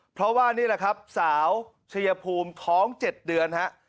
เพราะว่านี่แหละครับสาวชายภูมิท้อง๗เดือนฮะ